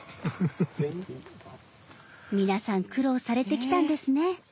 皆さん苦労されてきたんですね。